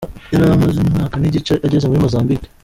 Yari amaze umwaka n’igice ageze muri Mozambique.